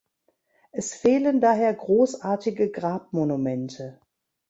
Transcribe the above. Es fehlen daher großartige Grabmonumente.